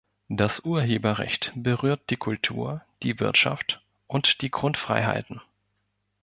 Das Urheberrecht berührt die Kultur, die Wirtschaft und die Grundfreiheiten.